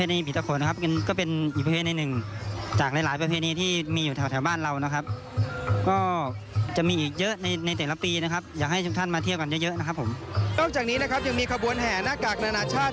นอกจากนี้นะครับยังมีขบวนแห่หน้ากากนานาชาติ